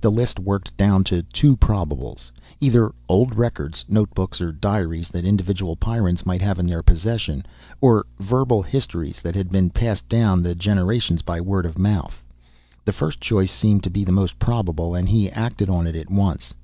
The list worked down to two probables. Either old records, notebooks or diaries that individual Pyrrans might have in their possession, or verbal histories that had been passed down the generations by word of mouth. The first choice seemed to be the most probable and he acted on it at once.